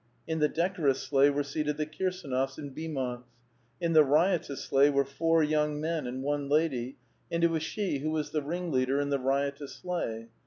" In the det*orous sleigh were seated the Eirsdnofs and Beaumouts ; in the riotous sleigh were four young men and one lady, and it was she who was the ringleader in the riotous sleigh.